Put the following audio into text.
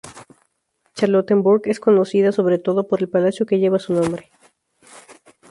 Charlottenburg es conocida, sobre todo, por el palacio que lleva su nombre.